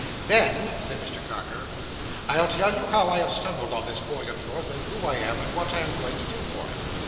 "Then," said Mr Carker, "I'll tell you how I have stumbled on this boy of yours, and who I am, and what I am going to do for him."